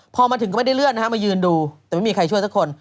พอมาถึงก็ไม่ได้เลื่อนนะฮะมายืนดูแต่ไม่มีใครช่วยสักคน